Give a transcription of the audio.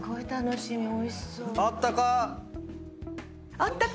あったか！